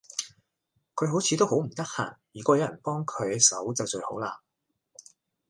佢好似都好唔得閒，如果有人幫佢手就最好嘞